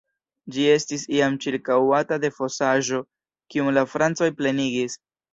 Ĝi estis iam ĉirkaŭata de fosaĵo, kiun la francoj plenigis.